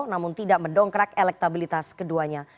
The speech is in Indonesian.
namun tidak mendongkrak elektabilitas keduanya